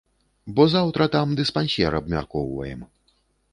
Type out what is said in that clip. Бо заўтра там дыспансер абмяркоўваем.